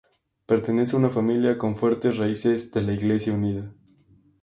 Pertenece a una familia con fuertes raíces de la Iglesia Unida.